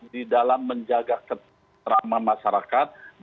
di dalam menjaga keteraan masyarakat